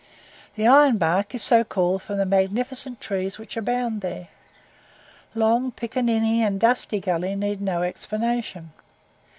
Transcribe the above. The Iron Bark is so called from the magnificent trees which abound there. Long, Piccaninny, and Dusty Gully need no explanation.